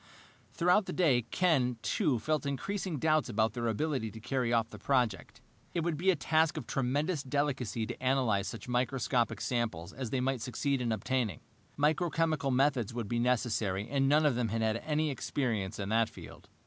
Throughout the day Ken, too, felt increasing doubts about their ability to carry off the project. It would be a task of tremendous delicacy to analyze such microscopic samples as they might succeed in obtaining. Microchemical methods would be necessary, and none of them had had any experience in that field.